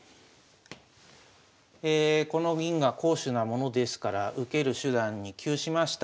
この銀が好手なものですから受ける手段に窮しました。